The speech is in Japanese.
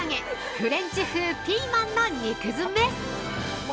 フレンチ風ピーマンの肉詰め。